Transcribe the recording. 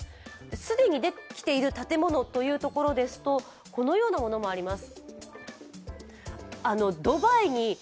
既にできている建物というところですと、このようなものもあります。